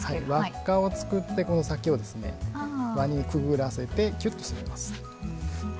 わっかを作って、この先を輪にくぐらせてキュッと締めます。